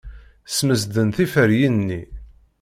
Smesden tiferyin-nni.